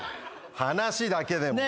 話だけでも。